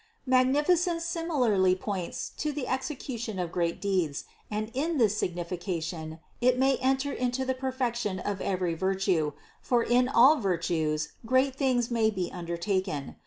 578. Magnificence similarly points to the execution of THE CONCEPTION 445 great deeds, and in this signification it may enter into the perfection of every virtue, for in all virtues great things may be undertaken.